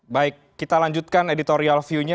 baik kita lanjutkan editorial view nya